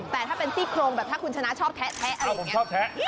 แต่ถ้าเป็นซี่โครงแบบถ้าคุณชนะชอบแท๊ะแพ๊ะอะไรอย่างนี้